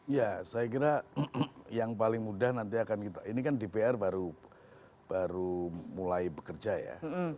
ya saya kira yang paling mudah nanti akan kita ini kan dpr baru mulai bekerja ya